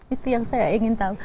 itu yang saya ingin tahu